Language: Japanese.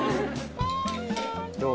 どう？